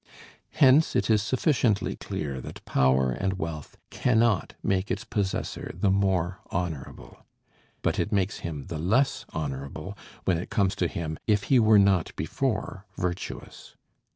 Hence it is sufficiently clear that power and wealth cannot make its possessor the more honorable. But it makes him the less honorable, when it comes to him, if he were not before virtuous.